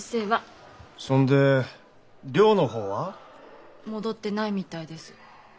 そんで寮の方は？戻ってないみたいです。